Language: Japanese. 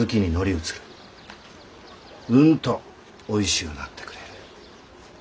うんとおいしゅうなってくれる。